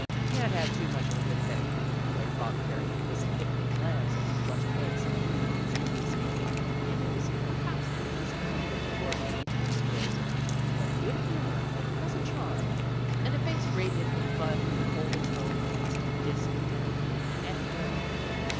'' "Can't have too much of a good thing," de clared Bob Carey with a significant glance at the flushed face. Strictly speaking, Amy was perhaps the least pretty of the four Friendly Terrace girls ; but good humor has a charin, and 20 PEGGY RAYMOND'S WAY a face radiant with fun can hold its own against discontented beauty any day.